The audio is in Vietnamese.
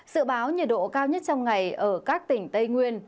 sự báo nhiệt độ cao nhất trong ngày ở các tỉnh tây nguyên